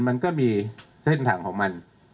มันก็มีเส้นทางของมัน